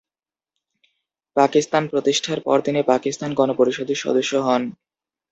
পাকিস্তান প্রতিষ্ঠার পর তিনি পাকিস্তান গণপরিষদের সদস্য হন।